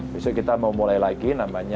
besok kita mau mulai lagi namanya